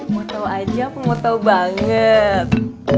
mau tau aja aku mau tau banget